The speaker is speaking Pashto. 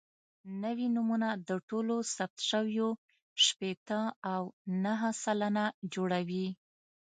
نوي نومونه د ټولو ثبت شویو شپېته او نهه سلنه جوړوي.